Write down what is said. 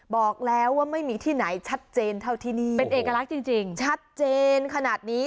บอกแล้วว่าไม่มีที่ไหนชัดเจนเท่าที่นี่เป็นเอกลักษณ์จริงจริงชัดเจนขนาดนี้